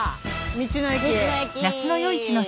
道の駅。